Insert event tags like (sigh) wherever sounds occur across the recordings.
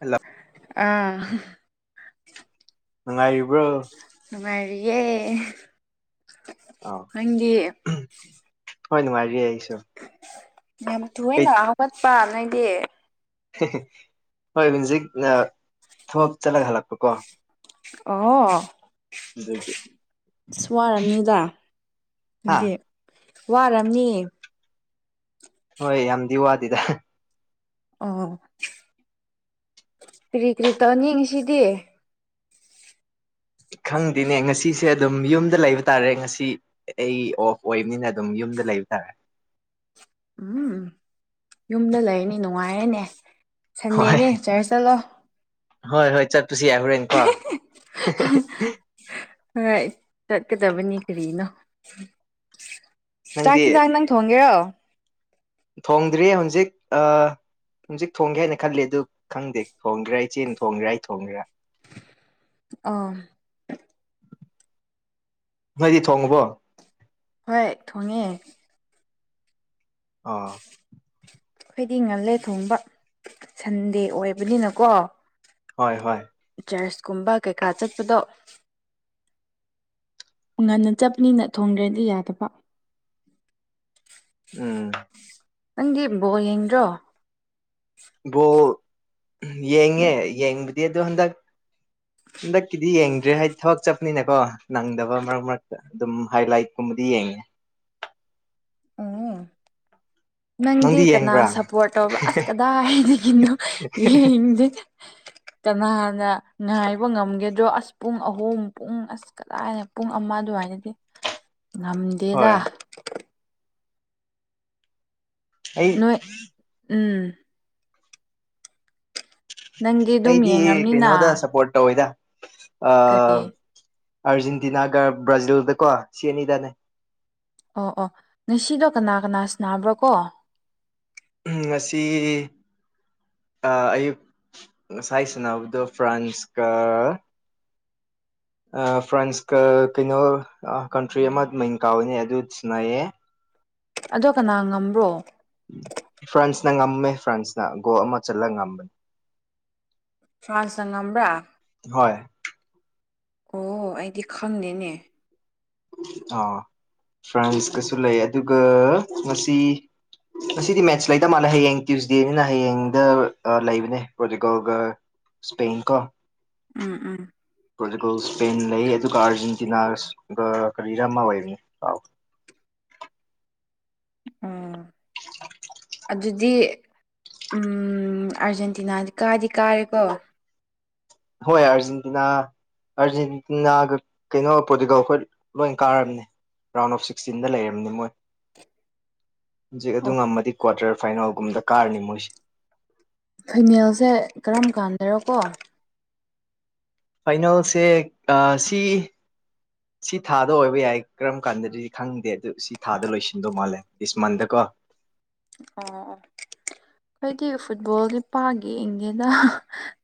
Hello ꯑꯥ ꯅꯨꯡꯉꯥꯏꯔꯤꯕ꯭ꯔꯣ ꯅꯨꯡꯉꯥꯏꯔꯤꯌꯦ ꯑꯥ ꯅꯪꯒꯤ ꯍꯣꯏ ꯅꯨꯡꯉꯥꯏꯔꯤꯌꯦ ꯑꯩꯁꯨ ꯌꯥꯝ ꯀꯩ ꯊꯣꯏꯅ ꯍꯧꯒꯠꯄ ꯅꯣꯏꯗꯤ ꯍꯣꯏ ꯃꯤꯖꯤꯛ ꯊꯕꯞ ꯆꯠꯂꯒ ꯍꯜꯂꯛꯄ ꯀꯣ ꯑꯣ ꯑꯗꯨꯗꯤ ꯑꯁ ꯋꯥꯔꯕꯅꯤꯗ ꯍꯥ ꯑꯗꯨꯗꯤ ꯋꯥꯝꯅꯤ ꯍꯣꯏ ꯌꯥꯝꯗꯤ ꯋꯥꯗꯤꯗ ꯑꯣ ꯀꯔꯤ ꯀꯔꯤ ꯇꯧꯅꯤꯡꯉꯤꯁꯤꯗꯤ ꯈꯪꯗꯦꯅꯦ ꯉꯁꯤꯁꯦ ꯑꯗꯨꯝ ꯌꯨꯝꯗ ꯂꯩꯕ ꯇꯥꯔꯦ ꯉꯁꯤ ꯑꯩ ꯑꯣꯐ ꯑꯣꯏꯕꯅꯤꯅ ꯑꯗꯨꯝ ꯌꯨꯝꯗ ꯂꯩꯕ ꯇꯥꯔꯦ ꯎꯝ ꯌꯨꯝꯗ ꯂꯩꯔꯅꯤ ꯅꯨꯡꯉꯥꯏꯔꯅꯦ ꯍꯣꯏ ꯁꯟꯗꯦꯅꯦ ꯆꯔꯆ ꯆꯠꯂꯣ ꯍꯣꯏ ꯍꯣꯏ ꯆꯠꯄꯁꯨ ꯌꯥꯏ ꯍꯣꯔꯦꯟ ꯀꯣ ꯍꯣꯏ ꯆꯠꯀꯗꯕꯅꯤ ꯀꯔꯤꯅꯣ ꯅꯪꯗꯤ ꯆꯥꯛꯁꯤꯤꯟꯖꯥꯛ ꯅꯪ ꯊꯣꯡꯒꯦꯔꯣ ꯊꯣꯡꯗ꯭ꯔꯤ ꯍꯧꯖꯤꯛ ꯑ ꯍꯧꯖꯤꯛ ꯊꯣꯡꯒꯦ ꯍꯥꯏꯅ ꯈꯜꯜꯂꯤꯦ ꯑꯗꯨ ꯈꯪꯗꯦ ꯊꯣꯡꯒ꯭ꯔꯥ ꯑꯩ ꯆꯦ ꯊꯣꯡꯒ꯭ꯔꯥ ꯑꯩ ꯊꯣꯡꯒꯦ꯭ꯔꯥ ꯑ ꯅꯣꯏꯗꯤ ꯊꯣꯡꯉꯨꯕꯣ ꯍꯣꯏ ꯊꯣꯡꯉꯦ ꯑꯥ ꯑꯩꯈꯣꯏꯗꯤ ꯉꯜꯂꯦ ꯊꯣꯡꯕ ꯁꯟꯗꯦ ꯑꯣꯏꯕꯅꯤꯅꯀꯣ ꯍꯣꯏ ꯍꯣꯏ ꯆꯔꯆꯀꯨꯝꯕ ꯀꯩꯀꯥ ꯆꯠꯄꯗꯣ ꯉꯟꯅ ꯆꯠꯄꯅꯤꯅ ꯊꯣꯡꯈ꯭ꯔꯦꯅꯗꯤ ꯌꯥꯗꯕ ꯎꯝ ꯅꯪꯒꯤ ꯕꯣ ꯌꯦꯡꯗ꯭ꯔꯣ ꯌꯦꯡꯉꯦ ꯌꯦꯡꯕꯗꯤ ꯗ ꯍꯟ ꯇꯛ ꯍꯟꯗꯛꯀꯤꯗꯤ ꯌꯦꯡꯗ꯭ꯔꯦ ꯍꯥꯏꯗꯤ ꯊꯕꯛ ꯆꯠꯄꯅꯤꯅꯦꯀꯣ ꯅꯪꯗꯕ ꯃꯔꯛ ꯃꯔꯛꯇ ꯑꯗꯨꯝ ꯍꯥꯏꯂꯥꯏꯠꯀꯨꯝꯕꯗꯤ ꯌꯦꯡꯉꯦ ꯎꯝ ꯅꯪꯗꯤ ꯀꯅꯥ ꯁꯞꯄꯣꯔꯠ ꯇꯧꯕ꯭ꯔꯣ ꯑꯁ ꯀꯗꯥꯏꯒꯤꯅꯣ ꯌꯦꯡꯗꯦ ꯀꯅꯥꯅ ꯉꯥꯏꯕ ꯉꯝꯒꯦꯗ꯭ꯔꯣ ꯑꯁ ꯄꯨꯡ ꯑꯍꯨꯝ ꯄꯨꯡ ꯑꯁ ꯀꯗꯥꯏꯅ ꯄꯨꯡ ꯑꯃ ꯑꯗꯨꯋꯥꯏꯅꯗꯤ ꯉꯝꯗꯦꯔ ꯍꯣꯏ ꯑꯩ ꯅꯣꯏ ꯎꯝ ꯅꯪꯗꯤ ꯑꯗꯨꯝ ꯑꯩꯗꯤ ꯌꯦꯡꯉꯝꯅꯤꯅ ꯀꯩꯅꯣꯗ ꯁꯞꯄꯣꯔꯠ ꯇꯧꯋꯦꯗ ꯑ ꯀꯔꯤ ꯑꯥꯔꯖꯦꯟꯇꯤꯅꯥꯒ ꯕ꯭ꯔꯥꯖꯤꯜꯗꯀꯣ ꯁꯤ ꯑꯅꯤꯗꯅꯦ ꯑꯣ ꯑꯣ ꯉꯁꯤꯗꯣ ꯀꯅꯥ ꯀꯅꯥ ꯁꯅꯥꯕ꯭ꯔꯣ ꯀꯣ ꯎꯝ ꯉꯁꯤ ꯑ ꯑꯌꯨꯛ ꯉꯁꯥꯏ ꯁꯥꯟꯅꯕꯗꯣ ꯐ꯭ꯔꯥꯟꯁꯀ ꯑ ꯐ꯭ꯔꯥꯟꯁꯀ ꯀꯩꯅꯣ ꯀꯟꯇ꯭ꯔꯤ ꯑꯃ ꯃꯤꯡ ꯀꯥꯎꯋꯤꯅꯦ ꯑꯗꯨ ꯁꯅꯩꯌꯦ ꯑꯗꯣ ꯀꯅꯥ ꯉꯝꯕ꯭ꯔꯣ ꯐ꯭ꯔꯥꯟꯁꯅ ꯉꯝꯃꯦ ꯐ꯭ꯔꯥꯟꯁꯅ ꯒꯣ ꯑꯃ ꯆꯠꯂꯒ ꯉꯝꯕꯅꯤ ꯐ꯭ꯔꯥꯟꯁꯅ ꯉꯝꯕ꯭ꯔꯥ ꯍꯣꯏ ꯑꯣ ꯑꯩꯗꯤ ꯈꯪꯗꯦꯅꯦ ꯑꯣ ꯐ꯭ꯔꯥꯟꯁꯀꯁꯨ ꯂꯩ ꯑꯗꯨꯒ ꯉꯁꯤ ꯑꯁꯤꯗꯤ ꯃꯦꯠꯁ ꯂꯩꯇ ꯃꯥꯜꯂꯦ ꯍꯌꯦꯡ ꯇ꯭ꯌꯨꯁꯗꯦꯅꯤꯅ ꯍꯌꯦꯡꯗ ꯂꯩꯕꯅꯦ ꯄ꯭ꯔꯣꯇꯤꯒꯜꯒ ꯁ꯭ꯄꯦꯟ ꯀꯣ ꯎꯝ ꯎꯝ ꯄꯣꯔꯇꯨꯒꯜ ꯏꯁꯄꯦꯟ ꯂꯩ ꯑꯗꯨꯒ ꯑꯥꯔꯖꯦꯟꯇꯤꯅꯥꯒ ꯀꯔꯤꯔ ꯑꯃ ꯑꯣꯏꯕꯅꯤ ꯀꯥꯎ ꯑꯣ ꯑꯗꯨꯗꯤ ꯎꯝ ꯑꯥꯔꯖꯦꯟꯇꯤꯅꯥꯗꯤ ꯀꯥꯗꯤ ꯀꯥꯔꯦꯀꯣ ꯍꯣꯏ ꯑꯔꯖꯦꯟꯇꯤꯅꯥ ꯑꯥꯔꯖꯦꯟꯇꯤꯅꯥꯒ ꯀꯩꯅꯣ ꯄꯣꯔꯇꯨꯒꯜ ꯈꯣꯏ ꯂꯣꯏꯅ ꯀꯥꯔꯕꯅꯦ ꯔꯥꯎꯟ ꯑꯣꯐ ꯁꯤꯛꯁꯇꯤꯟꯗ ꯂꯩꯔꯝꯅꯤ ꯃꯣꯏ ꯍꯧꯖꯤꯛ ꯑꯗꯨ ꯑꯣ ꯉꯝꯃꯗꯤ ꯀ꯭ꯋꯥꯔꯇꯔ ꯐꯥꯏꯅꯦꯜꯒꯨꯝꯗ ꯀꯥꯔꯅꯤ ꯃꯣꯏꯁꯦ ꯐꯩꯅꯦꯜꯁꯦ ꯀꯔꯝ ꯀꯥꯟꯗꯔꯣ ꯀꯣ ꯐꯥꯏꯅꯦꯜꯁꯦ ꯑ ꯁꯤ ꯁꯤ ꯊꯥꯗ ꯑꯣꯏꯕ ꯌꯥꯏ ꯀꯔꯝ ꯀꯥꯟꯗꯗꯤ ꯈꯪꯗꯦ ꯑꯗꯨ ꯁꯤ ꯊꯥꯗ ꯂꯣꯏꯁꯤꯟꯗꯧ ꯃꯥꯜꯂꯦ ꯗꯤꯁ ꯃꯟꯗ ꯀꯣ ꯑꯣ ꯑꯩꯗꯤ ꯐꯨꯠꯕꯣꯜꯗꯤ ꯄꯥꯥꯛ ꯌꯦꯡꯗꯦꯗ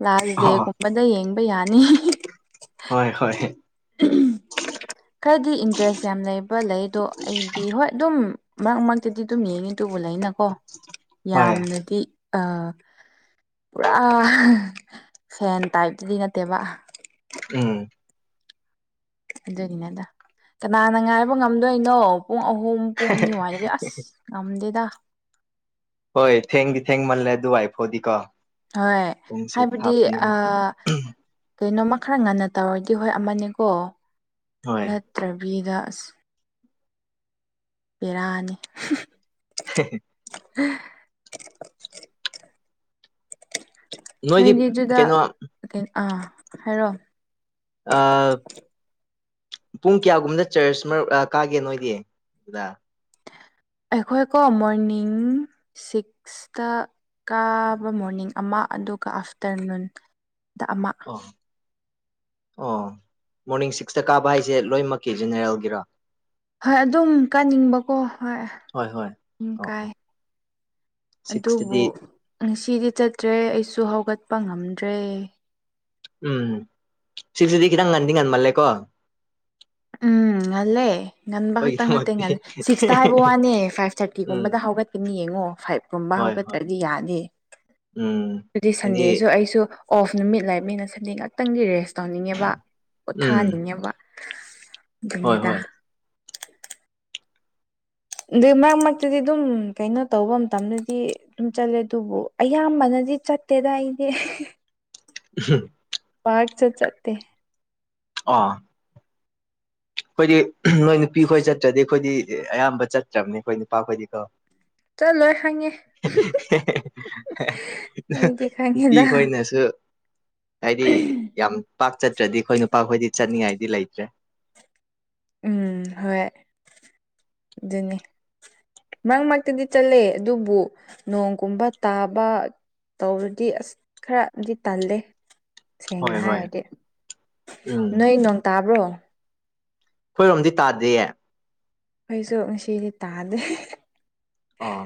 ꯂꯥꯁ ꯑ ꯗꯦꯒꯨꯝꯕꯗ ꯌꯦꯡꯕ ꯌꯥꯅꯤ ꯍꯣꯏ ꯍꯣꯏ ꯈꯔꯗꯤ ꯏꯟꯇ꯭ꯔꯦꯁ ꯌꯥꯝ ꯂꯩꯕ ꯂꯩ ꯑꯗꯣ ꯑꯩꯗꯤ ꯍꯣꯏ ꯑꯗꯨꯝ ꯃꯔꯛ ꯃꯔꯛꯇꯗꯤ ꯑꯗꯨꯝ ꯌꯦꯡꯉꯤ ꯇꯨꯕꯨ ꯂꯩꯅꯀꯣ ꯍꯣꯏ ꯌꯥꯝꯅꯗꯤ ꯑ ꯄꯨꯔꯥ ꯐꯦꯟ ꯇꯥꯏꯞꯇꯗꯤ ꯅꯠꯇꯦꯕ ꯎꯝ ꯑꯗꯨꯒꯤꯅꯦꯗ ꯀꯅꯥꯅ ꯉꯥꯏꯕ ꯉꯝꯗꯣꯏꯅꯣ ꯄꯨꯡ ꯑꯍꯨꯝ ꯄꯨꯡ ꯑꯅꯤ ꯑꯗꯨꯋꯥꯏꯗꯗꯤ ꯑꯁ ꯉꯝꯗꯦꯗ ꯍꯣꯏ ꯊꯦꯡꯗꯤ ꯊꯦꯡꯃꯜꯂꯦ ꯑꯗꯨ ꯋꯥꯏꯐꯥꯎꯗꯤꯀꯣ ꯍꯣꯏ ꯍꯥꯏꯕꯗꯤ ꯑ ꯀꯩꯅꯣꯝꯃ ꯈꯔ ꯉꯟꯅ ꯇꯧꯔꯗꯤ ꯍꯣꯏ ꯑꯃꯅꯦꯀꯣ ꯍꯣꯏ ꯅꯠꯇ꯭ꯔꯕꯤꯗ ꯑꯁ ꯄꯦꯔꯥꯅꯤ (unintelligible) (unintelligible) ꯅꯣꯏꯗꯤ ꯑꯗꯨꯗ ꯀꯩꯅꯣ ꯑꯥ ꯍꯥꯏꯔꯣ ꯑ ꯄꯨꯡ ꯀꯌꯥꯒꯨꯝꯕꯗ ꯆꯔꯆ ꯃꯔꯛ ꯀꯥꯒꯦ ꯅꯣꯏꯗꯤ ꯑꯗꯨꯗ ꯑꯩꯈꯣꯏꯀꯣ ꯃꯣꯔꯅꯤꯡ ꯁꯤꯛꯁ ꯁꯇ ꯀꯥꯕ ꯃꯣꯔꯅꯤꯡ ꯑꯃ ꯑꯗꯨꯒ ꯑꯥꯐꯇꯔꯅꯨꯟ ꯗ ꯑꯃ ꯑꯣ ꯑꯣ ꯃꯣꯔꯅꯤꯡ ꯁꯤꯛꯁꯇ ꯀꯥꯕ ꯍꯥꯏꯁꯦ ꯂꯣꯏꯅꯃꯛꯀꯤ ꯖꯦꯅꯦꯔꯦꯜꯒꯤꯔꯥ ꯍꯣꯏ ꯑꯗꯨꯝ ꯀꯥꯅꯤꯡꯕꯀꯣ ꯍꯣꯏ ꯍꯣꯏ ꯍꯣꯏ ꯑꯗꯨꯝ ꯑꯣ ꯑꯣ ꯀꯥꯏ ꯑꯗꯨꯕꯨ ꯁꯤꯛꯁꯇꯗꯤ ꯉꯁꯤꯗꯤ ꯆꯠꯇ꯭ꯔꯦ ꯑꯩꯁꯨ ꯍꯧꯒꯠꯄ ꯉꯝꯗ꯭ꯔꯦ ꯎꯝ ꯁꯤꯛꯁꯇꯗꯤ ꯈꯤꯇꯪ ꯉꯟꯗꯤ ꯉꯟꯃꯜꯂꯦꯀꯣ ꯎꯝ ꯉꯜꯂꯦ ꯉꯟꯕ ꯈꯛꯇꯪ ꯅꯠꯇꯦ ꯑꯩꯈꯣꯏꯒꯤꯗꯃꯛꯇꯤ ꯉꯜꯂꯦ ꯁꯤꯛꯁꯇ ꯍꯥꯏꯕ ꯋꯥꯅꯦ ꯐꯥꯏꯚ ꯎꯝ ꯊꯥꯔꯇꯤꯒꯨꯝꯕꯗ ꯍꯧꯒꯠ ꯅꯤ ꯌꯦꯡꯉꯣ ꯐꯥꯏꯚ ꯀꯨꯝꯕ ꯍꯣꯏ ꯍꯣꯏ ꯍꯧꯒꯠꯇ꯭ꯔꯗꯤ ꯌꯥꯗꯦ ꯎꯝ ꯑꯗꯨꯗꯤ ꯍꯥꯏꯗꯤ ꯁꯟꯗꯦꯁꯨ ꯑꯩꯁꯨ ꯑꯣꯐ ꯅꯨꯃꯤꯠ ꯂꯩꯏꯅꯤꯅ ꯁꯟꯗꯦ ꯉꯥꯛꯇꯪꯒꯤ ꯔꯦꯁ ꯇꯧꯅꯤꯡꯉꯦꯕ ꯎꯝ ꯄꯣꯊꯥꯍꯟꯅꯤꯡꯉꯦꯕ ꯍꯣꯏ ꯑꯗꯨꯅꯦꯗ ꯍꯣꯏ ꯑꯗꯨ ꯃꯔꯛ ꯃꯔꯛꯇꯗꯤ ꯑꯗꯨꯝ ꯀꯩꯅꯣ ꯇꯧꯕ ꯃꯇꯝꯗꯗꯤ ꯑꯗꯨꯝ ꯆꯠꯂꯦ ꯑꯗꯨꯕꯨ ꯑꯌꯥꯝꯕꯅꯗꯤ ꯆꯠꯇꯦꯗ ꯑꯩꯗꯤ ꯎꯝ ꯍꯨꯝ ꯄꯥꯛꯁꯨ ꯆꯠꯇꯦ ꯑꯥ ꯑꯩꯈꯣꯏꯗꯤ ꯅꯣꯏ ꯅꯨꯄꯤ ꯈꯣꯏ ꯆꯠꯇ꯭ꯔꯗꯤ ꯑꯩꯈꯣꯏꯗꯤ ꯑꯌꯥꯝꯕ ꯆꯠꯇ꯭ꯔꯕꯅꯤ ꯑꯩꯈꯣꯏ ꯅꯨꯄꯥ ꯈꯣꯏꯗꯤ ꯀꯣ ꯆꯠꯂꯣꯏ ꯈꯪꯉꯦ ꯑꯩꯗꯤ ꯅꯨꯄꯤ ꯈꯪꯉꯦꯗ ꯈꯣꯏꯅꯁꯨ ꯍꯥꯏꯗꯤ ꯌꯥꯝ ꯄꯥꯛ ꯆꯠꯇ꯭ꯔꯗꯤ ꯑꯩꯈꯣꯏ ꯅꯨꯄꯥꯈꯣꯏꯗꯤ ꯆꯠꯅꯤꯡꯉꯥꯏꯗꯤ ꯂꯩꯇ꯭ꯔꯦ ꯎꯝ ꯍꯣꯏ ꯑꯗꯨꯅꯤ ꯃꯔꯛ ꯃꯔꯛꯇꯗꯤ ꯆꯠꯂꯦ ꯑꯗꯨꯕꯨ ꯅꯣꯡꯒꯨꯝꯕ ꯇꯥꯕ ꯇꯧꯔꯗꯤ ꯑꯁ ꯈꯔꯗꯤ ꯇꯜꯂꯦ ꯍꯣꯏ ꯁꯦꯡꯅ ꯍꯣꯏ ꯍꯥꯏꯔꯗꯤ ꯎꯝ ꯅꯣꯏ ꯅꯣꯡ ꯇꯥꯕ꯭ꯔꯣ ꯑꯩꯈꯣꯏꯔꯣꯝꯗꯤ ꯇꯥꯗꯦꯌꯦ ꯈꯣꯏꯁꯨ ꯉꯁꯤꯗꯤ ꯇꯥꯗꯦ ꯑꯥ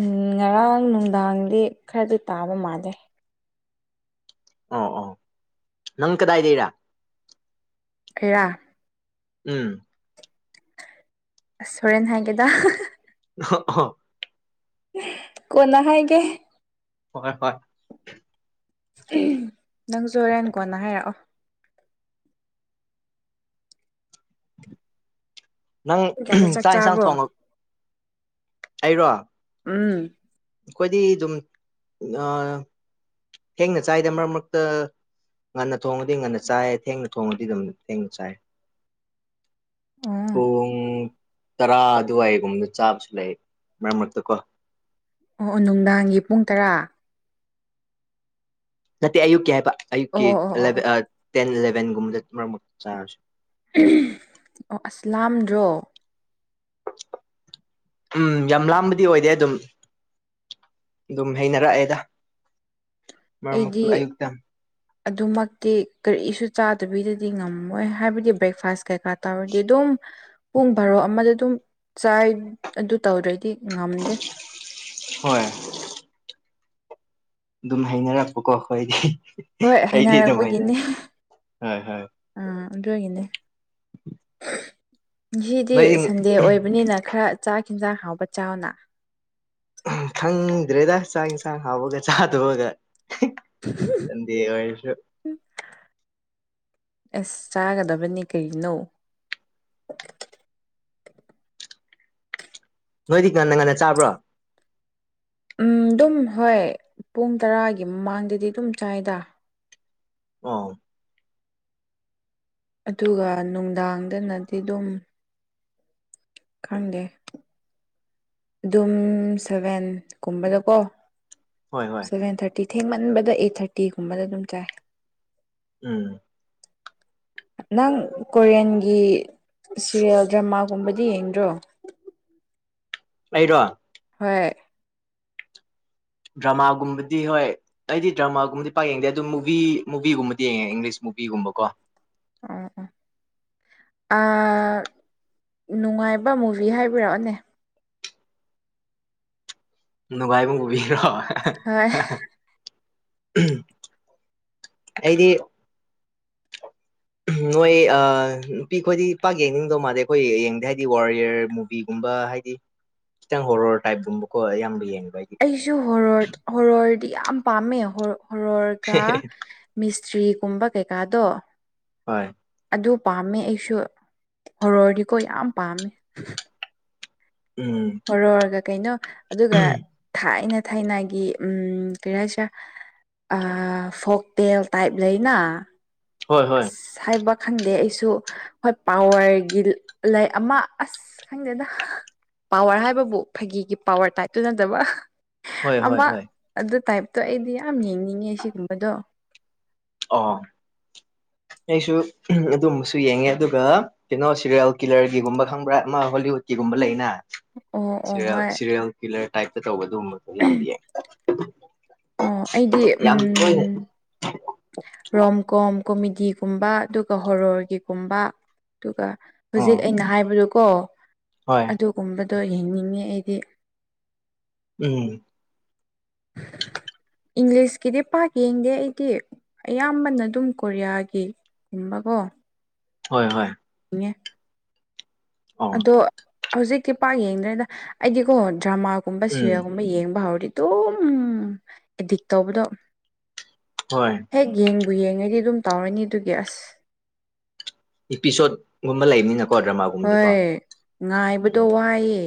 ꯎꯝ ꯉꯔꯥꯡ ꯅꯨꯡꯗꯥꯡꯗꯤ ꯈꯔꯗꯤ ꯇꯥꯕ ꯃꯥꯥꯟꯂꯦ ꯑꯣ ꯑꯣ ꯅꯪ ꯀꯗꯥꯏꯗꯩꯔꯥ ꯀꯩꯔꯥ ꯎꯝ ꯑꯁ ꯍꯣꯔꯦꯟ ꯍꯥꯏꯒꯦꯗ ꯑꯣ ꯍꯣ ꯀꯣꯟꯅ ꯍꯥꯏꯒꯦ ꯍꯣꯏ ꯍꯣꯏ ꯅꯪꯁꯨ ꯍꯣꯔꯦꯟ ꯀꯣꯟꯅ ꯍꯥꯏꯔꯛꯑꯣ ꯅꯪ ꯄꯨꯡ ꯀꯌꯥꯗ ꯆꯥꯛ ꯏꯟꯁꯥꯡ ꯆꯥꯕ꯭ꯔꯣ ꯊꯣꯡꯉ ꯑꯩꯔꯣ ꯎꯝ ꯈꯣꯏꯗꯤ ꯑꯗꯨꯝ ꯊꯦꯡꯅ ꯆꯥꯏꯗ ꯃꯔꯛ ꯃꯔꯛꯇ ꯉꯟꯅ ꯊꯣꯡꯉꯗꯤ ꯉꯟꯅ ꯆꯥꯏ ꯊꯦꯡꯅ ꯊꯣꯡꯉꯗꯤ ꯑꯗꯨꯝ ꯊꯦꯡꯅ ꯆꯥꯏ ꯑꯣ ꯄꯨꯡ ꯇꯔꯥ ꯑꯗꯨꯋꯥꯏꯒꯨꯝꯕꯗ ꯆꯥꯕꯁꯨ ꯂꯩ ꯃꯔꯛ ꯃꯔꯛꯇ ꯀꯣ ꯑꯣ ꯑꯣ ꯅꯨꯡꯗꯥꯡꯒꯤ ꯄꯨꯡ ꯇꯔꯥ ꯅꯠꯇꯦ ꯑꯌꯨꯛꯀꯤ ꯍꯥꯏꯕ ꯑꯣ ꯑꯌꯨꯛꯀꯤ ꯑꯣ ꯑꯣ ꯑꯣ ꯑꯣ ꯇꯦꯟ ꯏꯂꯚꯦꯟꯒꯨꯝꯕꯗ ꯃꯛ ꯆꯥꯔꯁꯨ ꯑꯣ ꯑꯁ ꯂꯥꯝꯗ꯭ꯔꯣ ꯎꯝ ꯌꯥꯝ ꯂꯥꯝꯕꯗꯤ ꯑꯣꯏꯗꯦ ꯑꯗꯨꯝ ꯑꯗꯨꯝ ꯍꯩꯅꯔꯛꯑꯦꯗ ꯃꯔꯛ ꯑꯩꯗꯤ ꯃꯔꯛꯇ (inaudible) ꯑꯗꯨꯃꯛꯇꯤ ꯀꯔꯤꯁꯨ ꯆꯥꯗꯕꯤꯗꯗꯤ ꯉꯝꯃꯣꯏ ꯍꯥꯏꯕꯗꯤ ꯕ꯭ꯔꯦꯛꯐꯥꯁ ꯀꯩꯀꯥ ꯇꯥꯔꯗꯤ ꯑꯗꯨꯝ ꯄꯨꯡ ꯚꯔꯣ ꯑꯃꯗ ꯑꯗꯨꯝ ꯆꯥꯏ ꯑꯗꯨ ꯇꯧꯗ꯭ꯔꯗꯤ ꯉꯝꯗꯦ ꯍꯣꯏ ꯑꯗꯨꯝ ꯍꯥꯏꯅꯔꯛꯄꯀꯣ ꯑꯩꯈꯣꯏꯗꯤ ꯍꯣꯏ ꯑꯩꯗꯤ ꯑꯗꯨꯝ ꯍꯩꯅꯔꯦ ꯍꯣꯏ ꯍꯣꯏ ꯎꯝ ꯑꯗꯨꯒꯤꯅꯦ ꯉꯁꯤꯗꯤ ꯅꯣꯏꯗꯤ ꯁꯟꯗꯦ ꯑꯣꯏꯕꯅꯤꯅ ꯈꯔ ꯆꯥꯛ ꯍꯤꯟꯖꯥꯡ ꯍꯥꯎꯕ ꯆꯥꯎꯑꯣꯅ ꯈꯪꯗ꯭ꯔꯦꯗ ꯆꯥꯛ ꯌꯦꯟꯁꯥꯡ ꯍꯥꯎꯕꯒ ꯆꯥꯗꯣꯕꯒ ꯁꯟꯗꯦ ꯑꯣꯢꯔꯁꯨ ꯑꯁ ꯆꯥꯒꯗꯕꯅꯤ ꯀꯩꯅꯣ ꯅꯣꯏꯗꯤ ꯉꯟꯅ ꯉꯟꯅ ꯆꯥꯕ꯭ꯔꯣ ꯎꯝ ꯑꯗꯨꯝ ꯍꯣꯏ ꯄꯨꯡ ꯇꯔꯥꯒꯤ ꯃꯃꯥꯡꯗꯗꯤ ꯑꯗꯨꯝ ꯆꯥꯏꯗꯥ ꯑꯣ ꯑꯗꯨꯒ ꯅꯨꯡꯗꯥꯡꯗꯅꯗꯤ ꯑꯗꯨꯝ ꯈꯪꯗꯦ ꯑꯗꯨꯝ ꯁꯚꯦꯟ ꯀꯨꯝꯕꯗꯀꯣ ꯍꯣꯏ ꯍꯣꯏ ꯁꯚꯦꯟ ꯊꯥꯔꯇꯤ ꯊꯦꯡꯃꯟꯕꯗ ꯑꯩꯠ ꯊꯥꯔꯇꯤꯒꯨꯝꯕꯗ ꯑꯗꯨꯝ ꯆꯥꯏ ꯎꯝ ꯅꯪ ꯀꯣꯔꯤꯌꯥꯟꯒꯤ ꯁꯦꯔꯤꯌꯦꯜ ꯗ꯭ꯔꯃꯥꯒꯨꯝꯕꯗꯤ ꯌꯦꯡꯗ꯭ꯔꯣ ꯑꯩꯔꯣ ꯍꯣꯏ ꯗ꯭ꯔꯃꯥꯒꯨꯝꯕꯗꯤ ꯍꯣꯏ ꯑꯩꯗꯤ ꯗ꯭ꯔꯃꯥꯒꯨꯝꯕꯗꯤ ꯄꯥꯛ ꯌꯦꯡꯗꯦ ꯑꯗꯨꯝ ꯃꯨꯚꯤ ꯃꯨꯚꯤꯒꯨꯝꯕꯗꯤ ꯌꯦꯡꯉꯦ ꯏꯪꯂꯤꯁ ꯃꯨꯚꯤꯒꯨꯝꯕꯀꯣ ꯎꯝ ꯅꯨꯡꯉꯥꯏꯕ ꯃꯨꯚꯤ ꯍꯥꯏꯕꯤꯔꯛꯑꯣꯅꯦ ꯅꯨꯡꯉꯥꯏꯕ ꯃꯨꯕꯤꯔꯣ ꯍꯣꯏ ꯑꯩꯗꯤ ꯅꯣꯏ ꯅꯨꯄꯤ ꯈꯣꯏꯗꯤ ꯄꯥꯛ ꯌꯦꯡꯅꯤꯡꯗꯧ ꯃꯥꯟꯗꯦ ꯑꯩꯈꯣꯏ ꯌꯦꯡꯗꯦ ꯍꯥꯏꯗꯤ ꯋꯥꯔꯤꯌꯔꯃꯨ ꯕꯤꯒꯨꯝꯕ ꯍꯥꯏꯗꯤ ꯈꯤꯇꯪ ꯍꯣꯔꯣꯔ ꯇꯥꯏꯞꯀꯨꯝꯕꯀꯣ ꯑꯌꯥꯝꯕ ꯌꯦꯡꯕ ꯍꯥꯏꯗꯤ ꯑꯩꯁꯨ ꯍꯣꯔ ꯍꯣꯔꯗꯤ ꯌꯥꯝ ꯄꯥꯝꯃꯦ ꯍꯣꯔꯣꯔꯒ ꯃꯤꯁꯇ꯭ꯔꯤꯒꯨꯝꯕ ꯀꯩꯀꯥꯗꯣ (unintelligible) ꯑꯗꯨ ꯄꯥꯝꯃꯦ ꯑꯩꯁꯨ ꯍꯣꯔꯣꯔꯗꯤꯀꯣ ꯌꯥꯝ ꯄꯥꯝꯃꯦ ꯎꯝ ꯑꯣꯔꯣꯔꯒ ꯀꯩꯅꯣ ꯑꯗꯨꯒ ꯊꯥꯏꯅ ꯊꯥꯏꯅꯒꯤ ꯎꯝ ꯀꯔꯤ ꯍꯥꯏꯁꯤꯔꯥ ꯐꯣꯛ ꯇꯦꯜ ꯇꯥꯏꯞ ꯂꯩꯅ ꯍꯣꯏ ꯍꯣꯏ ꯑꯁ ꯍꯥꯏꯕ ꯈꯪꯗꯦ ꯑꯩꯁꯨ ꯍꯣꯏ ꯄꯋꯥꯔꯒꯤ ꯂꯩꯥꯏ ꯑꯃ ꯑꯁ ꯑꯁ ꯈꯪꯗꯦꯗ ꯄꯋꯥꯔ ꯍꯥꯏꯕꯕꯨ ꯐꯥꯒꯤꯒꯤ ꯄꯋꯔ ꯇꯥꯏꯞꯇꯨ ꯅꯠꯇꯕ ꯍꯣꯏ ꯍꯣꯏ ꯑꯃ ꯍꯣꯏ ꯑꯗꯨ ꯇꯥꯏꯞꯇꯣ ꯑꯩꯗꯤ ꯌꯥꯝ ꯌꯦꯡꯅꯤꯡꯉꯦ ꯁꯤꯒꯨꯝꯕꯗꯣ ꯑꯣ ꯑꯩꯁꯨ ꯑꯗꯨꯝꯕꯁꯨ ꯌꯦꯡꯉꯦ ꯑꯗꯨꯒ ꯀꯩꯅꯣ ꯁꯤꯔꯤꯌꯦꯜ ꯀꯤꯂꯔꯒꯤꯒꯨꯝꯕ ꯈꯪꯕ꯭ꯔꯥ ꯑꯃ ꯍꯣꯂꯤꯋꯨꯗꯀꯤꯒꯨꯝꯕ ꯂꯩꯅ ꯑꯣ ꯑꯣ ꯁꯤꯔꯤꯌꯦꯜ ꯍꯣꯏ ꯁꯤꯔꯤꯌꯦꯜ ꯀꯤꯂꯔ ꯇꯥꯏꯞꯇ ꯇꯧꯕ ꯑꯗꯨꯒꯨꯝꯕꯗꯣ ꯌꯥꯝꯕ ꯌꯥꯏ ꯑꯣ ꯑꯩꯗꯤ ꯌꯥꯝ ꯇꯣꯏꯅ ꯎꯝ ꯔꯣꯝ ꯒꯣꯝ ꯀꯣꯃꯦꯗꯤꯒꯨꯝꯕ ꯑꯗꯨꯒ ꯍꯣꯔꯣꯔꯒꯤꯒꯨꯝꯕ ꯑꯗꯨꯒ ꯑꯣ ꯍꯧꯖꯤꯛ ꯑꯩꯅ ꯍꯥꯏꯕꯗꯨꯀꯣ ꯍꯣꯏ ꯑꯗꯨꯒꯨꯝꯕꯗꯣ ꯌꯦꯡꯅꯤꯡꯉꯤ ꯑꯩꯗꯤ ꯎꯝ (unintelligible) ꯏꯪꯂꯤꯁꯀꯤꯗꯤ ꯄꯥꯛ ꯌꯦꯡꯗꯦ ꯑꯩꯗꯤ ꯑꯌꯥꯝꯕꯅ ꯑꯗꯨꯝ ꯀꯣꯔꯤꯌꯥꯒꯤꯒꯨꯝꯕꯀꯣ ꯍꯣꯏ ꯍꯣꯏ꯫ (unintelligible) ꯑꯣ ꯑꯗꯣ ꯍꯧꯖꯤꯛꯇꯤ ꯄꯥꯛ ꯌꯦꯡꯗ꯭ꯔꯔꯤꯗ ꯑꯩꯗꯤꯀꯣ ꯗ꯭ꯔꯃꯥꯒꯨꯝꯕ ꯎꯝ ꯁꯔꯤꯌꯦꯜꯒꯨꯝꯕ ꯌꯦꯡꯕ ꯍꯧꯔꯤ꯫ ꯑꯗꯨꯝ ꯑꯦꯗꯤꯛ ꯇꯧꯕꯗꯣ ꯍꯣꯏ ꯍꯦꯛ ꯌꯦꯡꯕꯨ ꯌꯦꯡꯉꯗꯤ ꯑꯗꯨꯝ ꯇꯧꯔꯅꯤ ꯑꯗꯨꯒꯤ ꯑꯁ (unintelligible) ꯏꯄꯤꯁꯣꯠꯀꯨꯝꯕ ꯂꯩꯕꯅꯤꯅꯀꯣ ꯗ꯭ꯔꯃꯥꯒꯨꯝꯗꯤꯀꯣ ꯍꯣꯏ ꯎꯝ꯫ ꯉꯥꯏꯕꯗꯣ ꯋꯥꯏꯌꯦ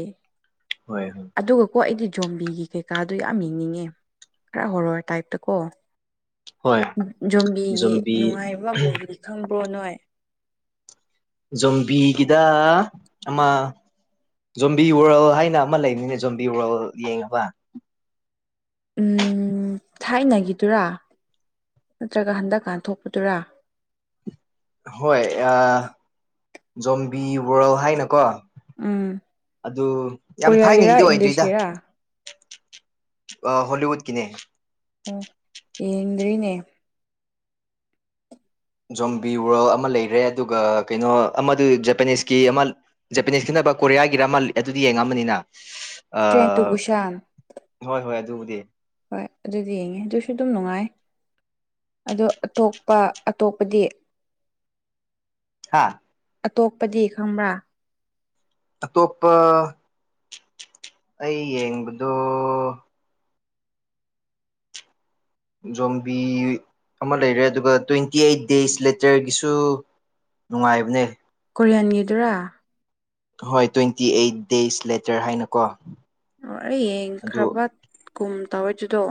ꯍꯣꯏ ꯍꯣꯏ꯫ ꯑꯗꯨꯒꯀꯣ ꯑꯩꯗꯤ ꯖꯣꯝꯕꯤꯒꯤ ꯀꯩꯀꯥꯗꯣ ꯌꯥꯝ ꯌꯦꯡꯅꯤꯡꯉꯦ ꯄꯨꯔ ꯍꯣꯔꯣꯔ ꯇꯥꯏꯞꯇ ꯀꯣ꯫ ꯍꯣꯏ ꯖꯣꯝꯕꯤꯒꯤ ꯖꯣꯝꯕꯤ ꯅꯨꯡꯉꯥꯏꯕ ꯃꯑꯣꯡꯗꯤ ꯈꯪꯕ꯭ꯔꯣ ꯅꯣꯏ꯫ ꯖꯣꯝꯕꯤꯒꯤꯗ ꯑꯃ ꯖꯣꯝꯕꯤ ꯋꯥꯔꯜ ꯍꯥꯏꯅ ꯑꯃ ꯂꯩꯅꯤꯅꯦ ꯖꯣꯝꯕꯤ ꯋꯥꯔꯜ ꯌꯦꯡꯉꯕ꯫ ꯎꯝ ꯊꯥꯏꯅꯒꯤꯗꯨꯔꯥ ꯅꯠꯇ꯭ꯔꯒ ꯍꯟꯗꯛꯀꯥꯟ ꯊꯣꯛꯄꯗꯨꯔꯥ꯫ ꯍꯣꯏ ꯖꯣꯝꯕꯤ ꯋꯥꯔꯜ ꯍꯥꯏꯅꯀꯣ꯫ ꯎꯝ ꯑꯗꯨ ꯌꯥꯝ ꯀꯣꯔꯤꯌꯥꯒꯤꯔꯥ ꯊꯥꯏꯅꯒꯤꯗꯤ ꯑꯣꯏꯗ꯭ꯔꯤꯗ꯫ ꯏꯪꯂꯤꯁꯀꯤꯔꯥ ꯑ ꯍꯣꯂꯤꯎꯠ ꯀꯤꯅꯦ꯫ ꯑꯣ ꯌꯦꯡꯗ꯭ꯔꯤꯅꯦ꯫ ꯖꯣꯝꯕꯤ ꯋꯔꯣ ꯑꯃ ꯂꯩꯔꯦ ꯑꯗꯨꯒ ꯀꯩꯅꯣ ꯑꯃꯗꯨ ꯖꯄꯅꯤꯁꯀꯤ ꯑꯃ ꯖꯄꯅꯤꯁ ꯈꯠꯅꯕ ꯀꯣꯔꯤꯌꯥꯒꯤ ꯔꯃꯜ ꯑꯗꯨꯗꯤ ꯌꯦꯡꯉꯝꯕꯅꯤꯅ꯫ ꯑ ꯇ꯭ꯔꯦꯟ ꯇꯨ ꯕꯨꯁꯥꯟ ꯍꯣꯏ ꯍꯣꯏ ꯑꯗꯨꯕꯨꯗꯤ꯫ ꯍꯣꯏ ꯑꯗꯨꯗꯤ ꯌꯦꯡꯉꯦ ꯑꯗꯨꯁꯨ ꯑꯗꯨꯝ ꯅꯨꯡꯉꯥꯏ ꯑꯗꯣ ꯑꯇꯣꯞꯄ ꯑꯇꯣꯞꯄꯗꯤ꯫ ꯍꯥꯥ ꯑꯇꯣꯞꯄꯗꯤ ꯈꯪꯕ꯭ꯔꯥ ꯑꯇꯣꯞꯄ ꯑꯩ ꯌꯦꯡꯕꯗꯣ ꯖꯣꯝꯕꯤ ꯑꯃ ꯂꯩꯔꯦ ꯑꯗꯨꯒ ꯇ꯭ꯋꯦꯟꯇꯤ ꯑꯩꯠ ꯗꯦꯖ ꯂꯦꯇꯔꯒꯤꯁꯨ꯫ ꯅꯨꯡꯉꯥꯏꯕꯅꯦ꯫ ꯀꯣꯔꯤꯌꯥꯟꯒꯤꯗꯨꯔꯥ꯫ ꯍꯣꯏ ꯇ꯭ꯋꯦꯟꯇꯤ ꯑꯩꯠ ꯗꯦꯖ ꯂꯦꯇꯔ ꯍꯥꯏꯅꯀꯣ꯫ ꯑꯣ ꯑꯩ ꯑꯗꯨ ꯌꯦꯡꯈ꯭ꯔꯕ ꯀꯨꯝ ꯇꯧꯋꯦꯗꯨꯗꯣ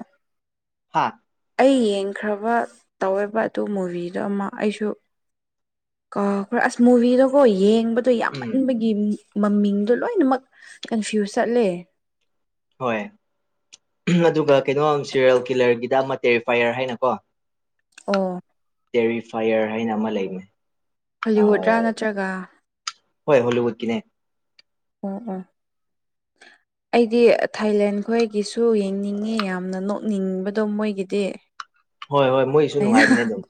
ꯍꯥ ꯑꯩ ꯌꯦꯡꯈ꯭ꯔꯕ ꯇꯧꯋꯕ ꯑꯗꯨ ꯃꯨꯚꯤꯗꯨ ꯑꯃ ꯑꯩꯁꯨ꯫ ꯀꯧꯕ ꯑꯁ ꯃꯨꯚꯤꯗꯣꯒꯣ ꯌꯦꯡꯕ ꯑꯣ ꯎꯝ ꯌꯥꯝꯃꯟꯕꯒꯤ ꯃꯃꯤꯡꯗꯣ ꯂꯣꯏꯅꯃꯛ ꯀꯟꯐ꯭ꯌꯨꯁ ꯆꯠꯂꯦ꯫ ꯍꯣꯏ꯫ ꯑꯗꯨꯒ ꯀꯩꯅꯣ ꯁꯦꯔꯦꯜ ꯀꯤꯂꯔꯒꯤꯗ ꯑꯃ ꯇꯦꯔꯤꯐꯌꯔ ꯍꯥꯏꯅꯀꯣ꯫ ꯑꯣ ꯇꯦꯔꯤꯐꯥꯏꯌꯔ ꯍꯥꯏꯅ ꯑꯃ ꯂꯩꯃꯦ꯫ ꯍꯣꯂꯤꯋꯨꯗꯔꯥ ꯅꯠꯇ꯭ꯔꯒ ꯍꯣꯏ ꯍꯣꯂꯤꯋꯨꯠꯀꯤꯅꯦ꯫ ꯑꯣ ꯑꯥ꯫ (inaudible) ꯑꯩꯗꯤ ꯊꯥꯏꯂꯦꯟ ꯈꯣꯏꯒꯤꯁꯨ ꯌꯦꯡꯅꯤꯡꯉꯤ ꯌꯥꯝꯅ ꯅꯣꯛꯅꯤꯡꯕꯗꯣ ꯃꯣꯏꯒꯤꯗꯤ꯫ ꯍꯣꯏ ꯍꯣꯏ ꯃꯣꯏꯁꯨ ꯑꯩꯅ ꯅꯨꯡꯉꯥꯏꯕꯅꯦ ꯑꯗꯨꯝ꯫